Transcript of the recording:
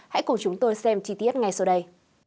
hãy cùng chúng tôi xem chi tiết ngay sau đây